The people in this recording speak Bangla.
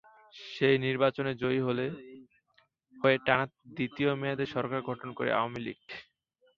সেই নির্বাচনে জয়ী হয়ে টানা দ্বিতীয় মেয়াদে সরকার গঠন করে আওয়ামী লীগ।